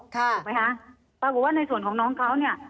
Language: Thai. ถูกไหมคะปรากฏว่าในส่วนของน้องเขาเนี่ย